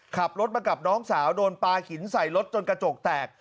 ขับรถมากับน้องสาวโดนปลาหินใส่รถจนกระจกแตก